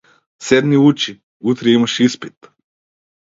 Седни учи, утре имаш испит.